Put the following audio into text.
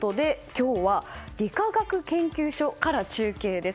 今日は理化学研究所から中継です。